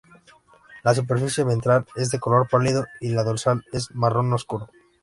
La superficie ventral es de color pálido y la dorsal es marrón oscuro.